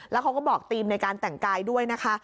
แล้วเขาก็บอกทีมในการแต่งกายด้วยนะคะ